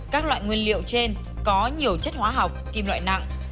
các loại nguyên liệu trên có nhiều chất hóa học kim loại nặng